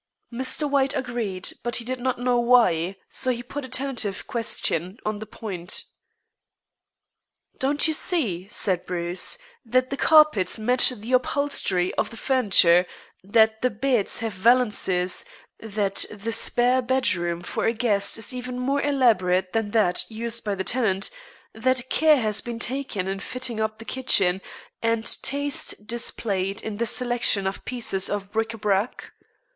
Mr. White agreed, but he didn't know why, so he put a tentative question on the point. "Don't you see," said Bruce, "that the carpets match the upholstery of the furniture, that the beds have valances, that the spare bedroom for a guest is even more elaborate than that used by the tenant, that care has been taken in fitting up the kitchen, and taste displayed in the selection of pieces of bric a brac?